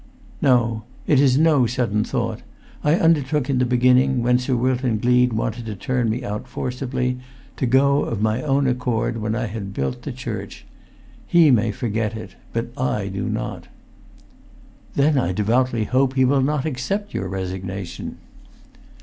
"No. It is no sudden thought. I undertook in the beginning, when Sir Wilton Gleed wanted to turn me out forcibly, to go of my own accord when I had built the church. He may forget it, but I do not." "Then I devoutly hope he will not accept your resignation!"